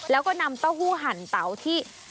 แล้วก็นำเต้าหู้หั่นเตาที่